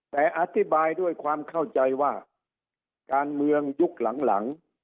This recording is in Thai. แต่อธิบายด้วยความเข้าใจว่าการเมืองยุคหลัง